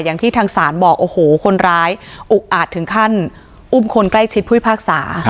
อย่างที่ทางศาลบอกโอ้โหคนร้ายอุกอาจถึงขั้นอุ้มคนใกล้ชิดผู้พิพากษา